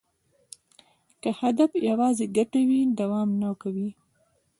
که هدف یوازې ګټه وي، دوام نه کوي.